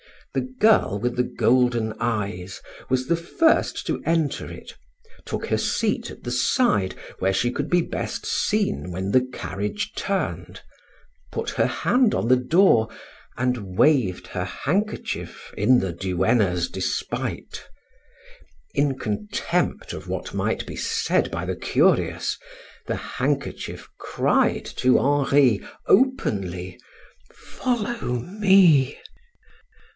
The girl with the golden eyes was the first to enter it, took her seat at the side where she could be best seen when the carriage turned, put her hand on the door, and waved her handkerchief in the duennna's despite. In contempt of what might be said by the curious, her handkerchief cried to Henri openly: "Follow me!"